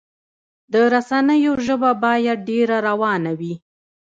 د رسنیو ژبه باید ډیره روانه وي.